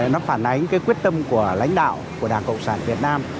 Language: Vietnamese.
nó phản ánh cái quyết tâm của lãnh đạo của đảng cộng sản việt nam